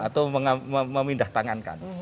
atau memindah tangankan